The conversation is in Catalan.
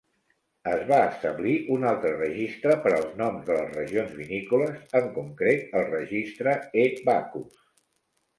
Es va establir un altre registre per als noms de les regions vinícoles, en concret el registre E-Bacchus.